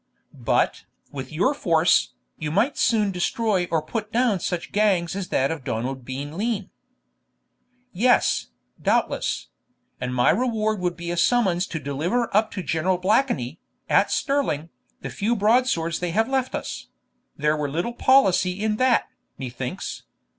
'But, with your force, you might soon destroy or put down such gangs as that of Donald Bean Lean.' 'Yes, doubtless; and my reward would be a summons to deliver up to General Blakeney, at Stirling, the few broadswords they have left us; there were little policy in that, methinks.